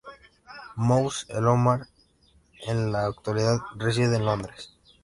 Moussa al-Omar en la actualidad reside en Londres.